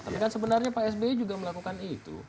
tapi kan sebenarnya pak sby juga melakukan itu